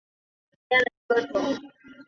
锐片毛蕨为金星蕨科毛蕨属下的一个种。